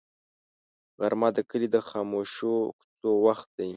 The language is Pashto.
غرمه د کلي د خاموشو کوڅو وخت دی